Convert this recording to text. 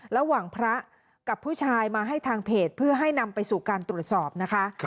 ระหว่างพระกับผู้ชายมาให้ทางเพจเพื่อให้นำไปสู่การตรวจสอบนะคะ